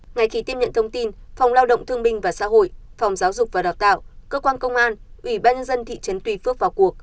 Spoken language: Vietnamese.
ngày kỳ tiếp nhận thông tin phòng lao động thương minh và xã hội phòng giáo dục và đào tạo cơ quan công an ủy ban dân thị trấn tuy phước vào cuộc